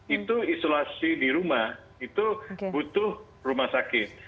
itu isolasi di rumah itu butuh rumah sakit